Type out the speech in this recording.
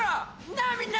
なあみんな！